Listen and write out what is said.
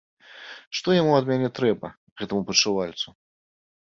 Што яму ад мяне трэба, гэтаму падшывальцу?